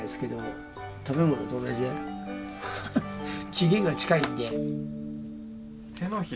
期限が近いんで。